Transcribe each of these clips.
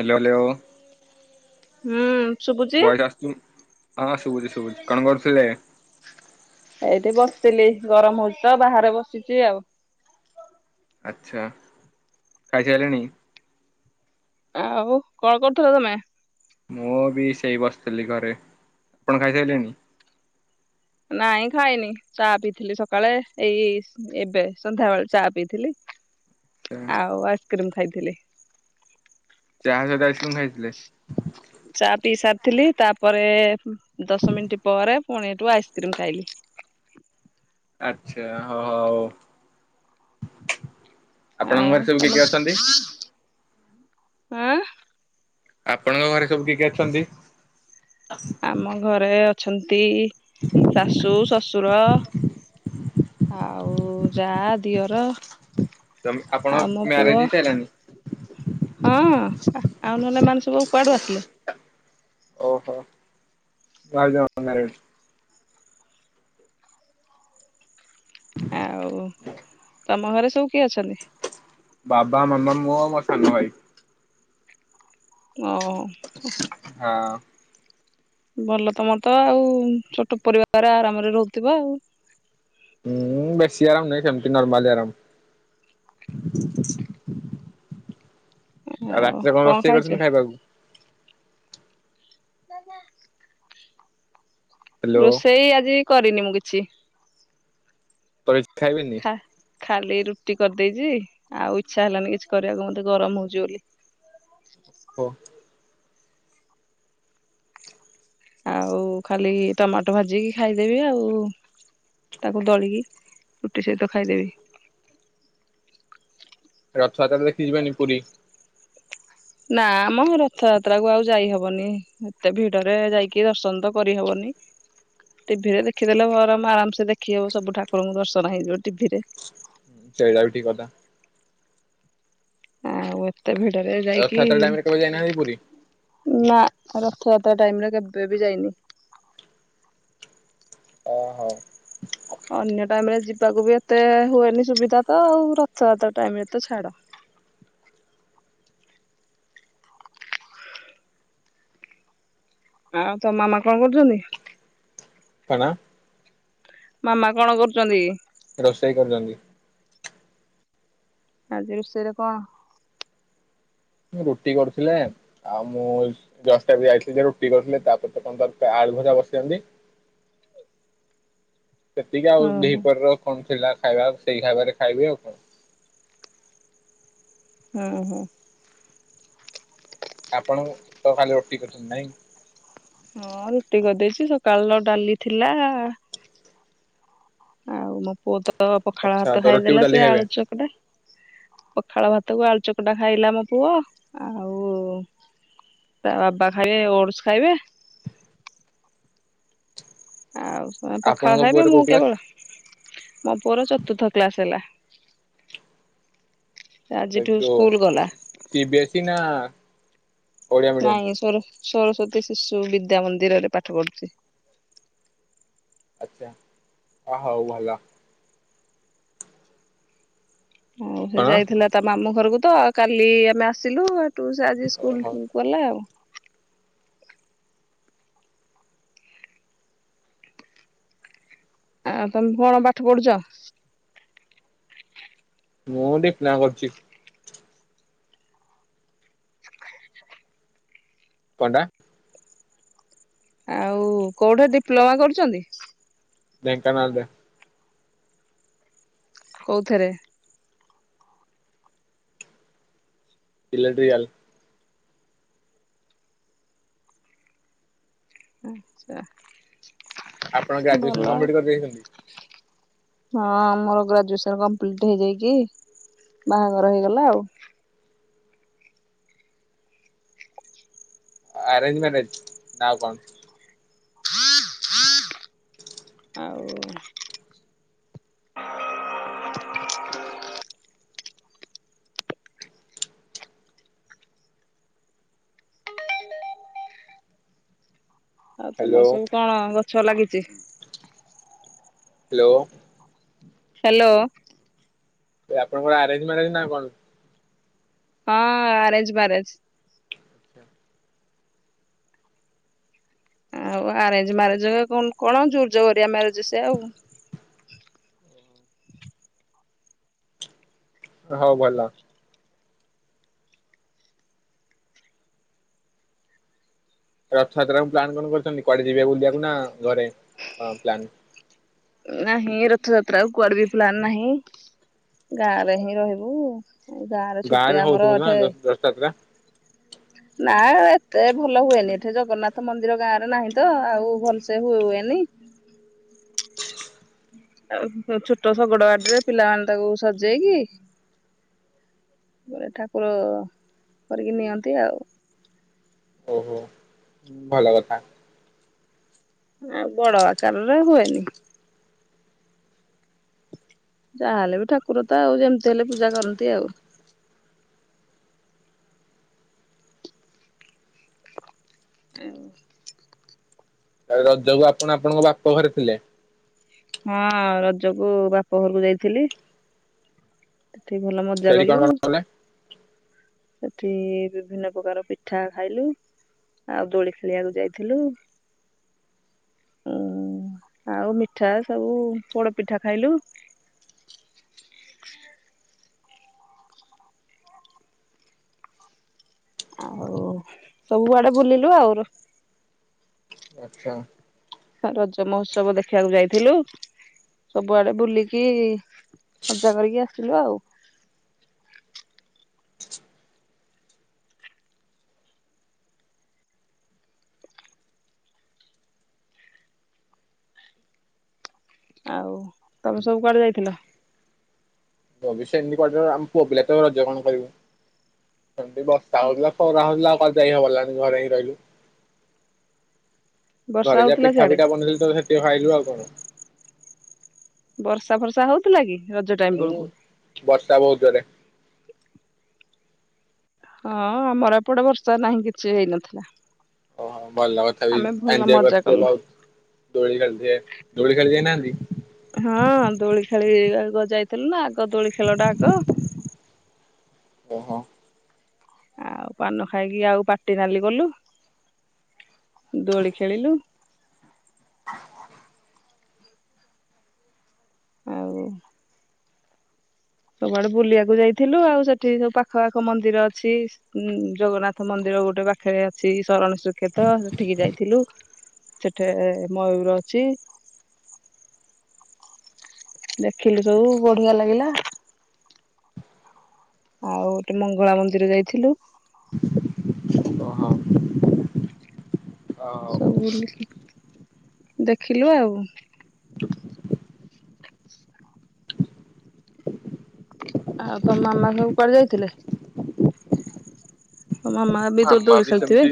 Hello hello. ହୁଁ। ଶୁଭୁଛି? Voice ଆସୁଛି, ହଁ ଶୁଭୁଛି ଶୁଭୁଛି କଣ କରୁଥିଲେ? ଏଇଠି ବସିଥିଲି ଗରମ ହଉଚିତ, ବାହାରେ ବସିଛି ଆଉ ଆଛା, ଖାଇସାଇଲେଣୀ? ଆଉ କଣ କରୁଥିଲ ତମେ? ମୁଁ ବି ସେଇ ବସିଥିଲି ଘରେ, ଆପଣ ଖାଇସାରିଲେଣି? ନାଇଁ ଖାଇନି ଚା ପିଇଥିଲି ସକାଳେ, ଏଇ ଏବେ ସନ୍ଧ୍ୟାବେଳେ ଚା ପିଇଥିଲି? ଆଛା ଆଉ ଆଇସ୍କ୍ରିମ ଖାଇଥିଲି। ଚା ସହିତ ଆଇସକ୍ରିମ ଖାଇଥିଲେ? ଚା ପିଇ ସାରିଥିଲି, ତାପରେ ଦଶ ମିନିଟ ପରେ ପୁଣି ଏଠୁ ଆଇସ୍କ୍ରିମ୍ ଖାଇଲି। ଆଚ୍ଛା ହ ହଉ, ଆପଣଙ୍କ ଆଉ ଘରେ ସବୁ ତମ କିଏକିଏ ଅଛନ୍ତି? ହାଁ। ଆପଣଙ୍କ ଘରେ ସବୁ କିଏ କିଏ ଅଛନ୍ତି? ଆମ ଘରେ ଅଛନ୍ତି ଶାଶୁ, ଶଶୁର ଆଉ ଯା ଦିଅର ତମେ ଆପଣ ଆଉ ମୋ ମ୍ୟାରେଜ ପୁଅ ହେଇ ସାରିଲାଣି ହଁ ଆଉ ନହେଲେ ଏମାନେ ସବୁ କୁଆଡୁ ଆସିଲେ? ଓ ହୋ ମୁଁ ଭାବିଲି ଅନମ୍ୟାରେଡ ବୋଲି। ଆଉ ତମ ଘରେ ସବୁ କିଏ ଅଛନ୍ତି? ବାବା, ମାମା, ମୁଁ ଆଉ ମୋ ସାନ ଭାଇ। ଓଃ। ହଁ। ଭଲ ତମତ ଆଉ ଛୋଟ ପରିବାର, ଆରାମରେ ରହୁଥିବ ଆଉ। ଉୁଁ ବେଶି ଆରାମ ନାହିଁ, ସେମିତି ନର୍ମାଲି ଆରାମ। ଆଉ ରାତିରେ କଣ ରୋଷେଇ କରିଛନ୍ତି ଖାଇବାକୁ? [inaudible] ହ୍ୟାଲୋ ରୋଷେଇ ଆଜି କରିନି ମୁଁ କିଛି। ପରେ ଖାଇବେନି ଖା ଖାଲି ରୁଟି କରିଦେଇଛି ଆଉ ଇଚ୍ଛା ହେଲାନି କିଛି କରିବାକୁ ମତେ ଗରମ ହଉଛି ବୋଲି ହଉ। ଆଉ ଖାଲି ଟମାଟୋ ଭାଜିକି ଖାଇଦେବି ଆଉ ତାକୁ ଦଳିକି ରୁଟି ସହିତ ଖାଇଦେବି। ରଥଯାତ୍ରା ଦେଖିଯିବାନି ପୁରୀ ନା ମ ରଥଯାତ୍ରା କୁ ଆଉ ଯାଇ ହବନି ଏତେ ଭିଡରେ ଯାଇକି ଦର୍ଶନ ତ କରିହବନି। ଟିଭିରେ ଦେଖିଦେଲେ ବରଂ ଆରାମସେ ଦେଖି ହବ ସବୁ ଠାକୁରଙ୍କୁ ଦର୍ଶନ ହେଇଯିବ ଟିଭିରେ ସେଇଟା ବି ଠିକ କଥା ଆଉ ଏତେ ଭିଡରେ ଯାଇକି ରଥଯାତ୍ରା ଟାଇମ ରେ କେବେ ଯାଇନାହାନ୍ତି ପୁରୀ? ନା ରଥଯାତ୍ରା ଟାଇମରେ କେବେ ବି ଯାଇନି? ଓହୋ ଅପ୍ ଅନ୍ୟ ଟାଇମରେ ଯିବାକୁ ବି ଏତେ ହୁଏନି ସୁବିଧା ତ ଆଉ ରଥଯାତ୍ର ଟାଇମରେ ତ ଛାଡ ଆଉ ତୋ ମାମା କଣ କରୁଛନ୍ତି? କଣ? ମାମା କଣ କରୁଛନ୍ତି? ରୋଷେଇ କରୁଛନ୍ତି। ଆଜି ରୋଷେଇରେ କଣ? ରୁଟି କରୁଥିଲେ। ଆଉ ମୁଁ ଜଷ୍ଟ ଏବେ ଯାଇଥିଲି ଯେ ରୁଟି କରିଥିଲି ତାପରେ ତ କଣ ତର ଆଳୁ ଭଜା ବସିଛନ୍ତି। [unintelligible] ସେତିକି ଆଉ ଓହୋ ଦିପର କଣ ଥିଲା ଖାଇବା ସେଇ ଖାଇବାରେ ଖାଇବି ଆଉ କଣ? ଅହ। ଆପଣ ତ ଖାଲି ରୁଟି କରଛନ୍ତି ନାଇଁ? ହଁ ରୁଟି କରିଦେଇଛି ସକାଳୁ ଯୋଉ ଡାଲି ଥିଲା ଆଉ ମୋ ପୁଅ ତ ପଖାଳ ଆଚ୍ଛା ଭାତ ତ ରୁଟି କୁ ଖାଇଦେଲା ଡାଲି ସେ ଖାଇବେ ଆଳୁଚକ ପଖାଳ ଭାତକୁ ଆଳୁ ଚକଟା ଖାଇଲା ମୋ ପୁଅ ଆଉ ତା ବାବା ଖାଇବେ ଓଡସ ଖାଇବେ ଆଉ ସେ ପଖାଳ ଆପଣଙ୍କ ଖାଇବେ ପୁଅର କୋଉ ମୁଁ କ୍ଲାସ? କେବଳ ମୋ ପୁଅର ଚତୁର୍ଥ କ୍ଲାସ ହେଲା। ଆଜିଠୁ ଭେଯୋ ସ୍କୁଲ ଗଲା ସି ବିି ଏସି ଇ ନା? ଓଡିଆ ମିଡିୟମ ନାଇଁ ସ ସରସ୍ଵତୀ ଶିଶୁ ବିଦ୍ୟା ମନ୍ଦିରରେ ପାଠ ପଢୁଛି ଆଚ୍ଛା ଅ ହଉ ଭଲ। ହଉ ସେ କଣ ଯାଇଥିଲା ତା ମାମୁଁ ଘରକୁ ତ କାଲି ଆମେ ଆସିଲୁ। ଟୁ ଆଜି ସ୍କୁଲ ଓହୋ ଗଲା ଆଉ ଆଉ ତମେ କଣ ପାଠ ପଢୁଛ? ମୁଁ ଡିପ୍ଲମା କରୁଛି। କଣଟା? ଆଉ କୋଉଠି ଡିପ୍ଲୋମା କରୁଛନ୍ତି? ଢେଙ୍କାନାଳରେ। କୋଉଥିରେ? ଇଲେଟ୍ରିକାଲ। ଆଚ୍ଛା। ଆପଣ ଗ୍ରାଜୁଏସନ କମ୍ପ୍ଲିଟ କରିଦେଇଛନ୍ତି। ହଁ ମୋର ଗ୍ରାଜୁଏସନ୍ କମ୍ପ୍ଲିଟ୍ ହେଇଯାଇକି ବାହାଘର ହେଇଗଲା ଆଉ ଆରେଜ ମ୍ୟାରେଜ ନା ଆଉ କଣ? [unintelligible] ଆଉ ଆଉ ହ୍ୟାଲୋ ତମର ସବୁ କଣ ଗଛ ଲାଗିଛି? ହ୍ୟାଲୋ। ହ୍ୟାଲୋ। ଏ ଆପଣଙ୍କ ଆରେଞ୍ଜ ମ୍ୟାରେଜ ନା କଣ? ହଁ, ଆରେଞ୍ଜ ମ୍ୟାରେଜ। ଆଉ ଆରେଞ୍ଜ ମ୍ୟାରେଜ କଣ। ଯୁଜ ହରିଆ ମ୍ୟାରେଜ ସେ ଆଉ ହଉ ଭଲ। ରଥଯାତ୍ରା କୁ ପ୍ଲାନ୍ କଣ କରିଛନ୍ତି? କୁଆଡେ ଯିବେ ବୁଲିବାକୁ ନା ଘରେ କ ପ୍ଲାନ୍? ନାହିଁ ରଥଯାତ୍ରା କୁଆଡେ ବି ପ୍ଲାନ ନାହିଁ। ଗାଁରେ ହିଁ ରହିବୁ। ଏ ଗାଁର ଛୁଟି ଗାଁରେ ଆମର ହଉଥିବ ନା ଅଠେ ରଥଯାତ୍ରା ନା ଏତେ ଭଲ ହୁଏନି। ଏଠି ଜଗନ୍ନାଥ ମନ୍ଦିର ଗାଁ ରେ ନାହିଁ ତ। ଆଉ ଭଲସେ ହୁଏ ହୁଏନି। ଆଉ ଛୋଟ ଶଗଡ ଗାଡିରେ ପିଲାମାନେ ତାକୁ ସଜେଇକି ତାପ ଠାକୁର କରିକି ନିଅନ୍ତି ଆଉ ଓହୋ। ଭଲ କଥା। ଆ ବଡ ଆକାରରେ ହୁଏନି। ଯାହାହେଲେ ବି ଠାକୁର ତ। ଆଉ ଯେମିତି ହେଲେ ପୂଜା କରନ୍ତି ଆଉ ଏମିତି ତାହେଲେ ରଜକୁ ଆପଣ ଆପଣଙ୍କ ବାପ ଘରେ ଥିଲେ? ହଁ, ରଜକୁ ବାପ ଘରକୁ ଯାଇଥିଲି। ସେଠି ଭଲ ମଜା ସେଠି କଣ କଲୁ। କଣ କଲେ? ସେଠି ବିଭିନ୍ନ ପ୍ରକାର ପିଠା ଖାଇଲୁ। ଆଉ ଦୋଳି ଖେଳିବାକୁ ଯାଇଥିଲୁ। ଉଁ ଆଉ ମିଠା ସବୁ ପୋଡ ପିଠା ଖାଇଲୁ। ଆଉ ସବୁଆଡେ ବୁଲିଲୁ ଆଉ ଆଚଛା। ରଜ ମହୋତ୍ସବ ଦେଖିବାକୁ ଯାଇଥିଲୁ। ସବୁଆଡେ ବୁଲିକି ମଜା କରିକି ଆସିଲୁ ଆଉ ଆଉ ତମେ ସବୁ କୁଆଡେ ଯାଇଥିଲ? ଅବଶ୍ୟ ଏମିତି ଆମ ପୁଅ ପିଲା ତ ରଜ କଣ କରିବୁ? ସେମିତି ବର୍ଷା ହଉଥିଲା। ଖରା ହଉଥିଲା। ଆଉ ଯାଇ ହବାର ଲାନି ଘରେ ହିଁ ରହିଲୁ। ବର୍ଷା ଘରେ ଯାହା ହଉଥିଲା ପିଠା, ସିଆଡେ ପିଠା ବନେଇଥିଲ ତ ସେଠି ଖାଇଲୁ ଆଉ କଣ? ବର୍ଷା, ଫର୍ଷା ହଉଥିଲା କି ରଜ ଟାଇମ ହୁଁ ବେଳକୁ? ବର୍ଷା ବହୁତ ଜୋରେ। ହଁ, ଆମର ଏପଟେ ବର୍ଷା ନାହିଁ କିଛି ହେଇନଥିଲା। ଓହୋ ଭଲ କଥା ବି ଆମେ ଭଲ ଏଞୟ ମଜା କରିଥିବେ। କଲୁ ବହୁତ ଦୋଳି ଖେଳିଥିବେ। ଦୋଳି ଖେଳିଯାଇନାହାନ୍ତି? ହଁ, ଦୋଳି ଖେଳି ଆ ଯାଇଥିଲୁ ନା। ଆଗ ଦୋଳି ଖେଳଟା ଆଗ। ଓହୋଃ। ଆଉ ପାନ ଖାଇକି ଆଉ ପାଟି ନାଲି କଲୁ। ଦୋଳି ଖେଳିଲୁ। ଆଉ ସବୁଆଡେ ବୁଲିବାକୁ ଯାଇଥିଲୁ। ଆଉ, ସେଠି ସବୁ ପାଖ ପାଖ ମନ୍ଦିର ଅଛି। ଉୁଁ ଜଗନ୍ନାଥ ମନ୍ଦିର ଗୋଟେ ପାଖରେ ଅଛି। ଶରଣ ଶ୍ରୀକ୍ଷେତ୍ର ସେଠିକି ଯାଇଥିଲୁ। ସେଠି ମୟୂର ଅଛି। ଦେଖିଲି ସବୁ ବଢିଆ ଲାଗିଲା। ଆଉ ଗୋଟେ ମଙ୍ଗଳା ମନ୍ଦିର ଯାଇଥିଲୁ। ହଁ ଆଉ ସବୁ ବୁଲିକି ଦେଖିଲୁ ଆଉ ଆଉ ତ ମାମା ସବୁ କୁଆଡେ ଯାଇଥିଲେ? ତମ ମାମା ବି ଦୋଳି ଖେଳିଥିବେ?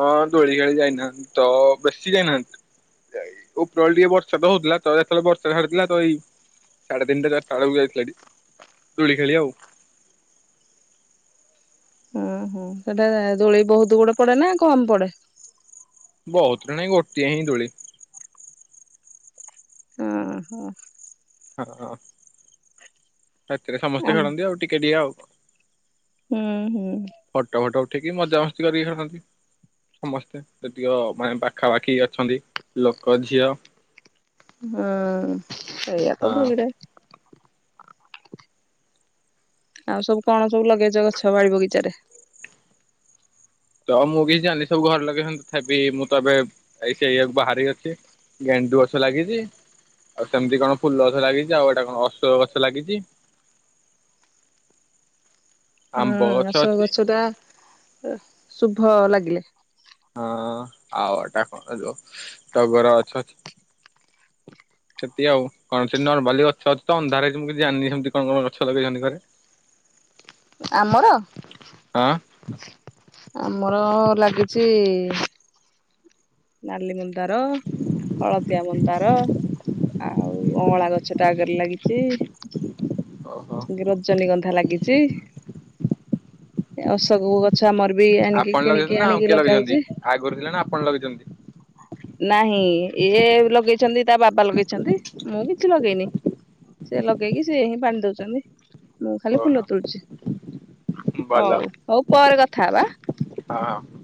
ହଁ ଦୋଳି ଖେଳି ଯାଇନାହାନ୍ତି। ତ ବେଶୀ ଯାଇନାହାନ୍ତି। ଉପରଳ ଟିକେ ବର୍ଷା ତ ହଉଥିଲା ତ ଯେତେବେଳେ ବର୍ଷା ଛାଡିଥିଲା ତ ଏଇ ସାଢେ ତିନିଟା ଚାରଟା ବେଳକୁ ଯାଇଥିଲେ ଦୋଳି ଖେଳି ଆଉ ହଓ ସେଟା ଦୋଳି ବହୁତ ଗୁଡେ ପଡେ ନା କମ ପଡେ? ବହୁତ ନାଇଁ ଗୋଟିଏ ହିଁ ଦୋଳି। ଆଁ ହ। ହଁ ହ। ରାତିରେ ସମସ୍ତେ ହଁ ଖେଳନ୍ତି ଆଉ ଟିକେ ଟିକେ ଆଉ? ହୁଁ ହୁଁ। ଫଟୋ ଫଟୋ ଉଠିକି ମଜାମସ୍ତି କରିକି ଯାଇଛନ୍ତି। ସମସ୍ତେ ଯେତିକ ମାନେ ପାଖାପାଖି ଅଛନ୍ତି ଲୋକ ଝିଅ ହଁ ସେଇଆ ହଁ ତ [inaudible] ଆଉ ସବୁ କଣ ସବୁ ଲଗେଇଛ ଗଛ ବାଡ଼ି ବଗିଚାରେ? ତ ଆଉ ମୁଁ କିଛି ଜାଣିନି ସବୁ ଘରେ ଲଗେଇଛନ୍ତି ତଥାପି ମୁଁ ତ ଏବେ ଏଇ ଇଆକୁ [inaudible] ବାହାରେ ଅଛି। ଗେଣ୍ଡୁ ଗଛ ଲାଗିଛି ଆଉ ସେମିତି କଣ ଫୁଲ ଗଛ ଲାଗିଛି ଆଉ ଏଇଟା କଣ ଅଶୋକ ଗଛ ଲାଗିଛି। ହୁଁ ଆମ୍ବ ଗଛ ଅ ଶୋକ ଅଛି ଗଛଟା ଶୁଭ ଲାଗିଲେ। ହଁ ଆଉ ଏଟା କଣ ଯୋଉ ତ ଟଗର ଗଛ ଅଛି ହ ସେତିି ଆଉ କଣ ସେ ନର୍ମାଲି ଗଛ ଅଛି ତ ଅନ୍ଧାରରେ ମୁଁ କିଛି ଜାଣିନି ସେମତି କଣ କଣ ଗଛ ଲଗେଇଛନ୍ତି ଘରେ? ଆମର? ହଁ। ଆମର ଲାଗିଛି ନାଲି ମନ୍ଦାର ହଳଦିଆ ମନ୍ଦାର। ଆଉ ଅଁଳା ଗଛ ଟା ଆଗରେ ଲାଗିଛି। ଓହୋ। ରଜନୀଗନ୍ଧା ଲାଗିଛି ଅଶୋକ ଗଛ ଆମର ବି ଆଣିକି ଆପଣ ଲଗେଇଛନ୍ତି କିଣିକି ନା ଆଉ ଆଣିକି କିଏ ଲଗା ଲଗେଇଛନ୍ତି ହେଇଛି। ଆଗରୁ ଥିଲେ ନା ଆପଣ ଲଗେଇଛନ୍ତି? ନାହିଁ ଇଏ ଲଗେଇଛନ୍ତି ତା ବାବା ଲଗେଇଛନ୍ତି ମୁଁ କିଛି ଲଗେଇନି। ସେ ଲଗେଇକି ସେ ହିଁ ପାଣି ଦଉଛନ୍ତି ମୁଁ ଖାଲି ଓହୋ ଫୁଲ ତୋଳୁଛି। ଭଲ ହଉ ହଉ ପରେ କଥା ହେବା। ହଁ।